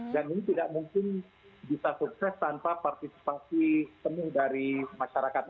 dan ini tidak mungkin bisa sukses tanpa partisipasi semua dari masyarakat